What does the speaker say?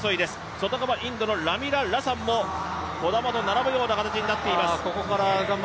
外側、インドのタミララサンも児玉に並ぶような形になっています。